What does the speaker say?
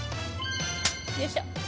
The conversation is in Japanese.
よいしょ。